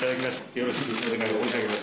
よろしくお願い申し上げます。